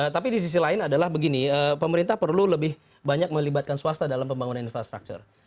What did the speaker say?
tapi di sisi lain adalah begini pemerintah perlu lebih banyak melibatkan swasta dalam pembangunan infrastruktur